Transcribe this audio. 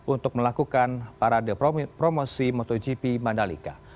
untuk melakukan parade promosi motogp mandalika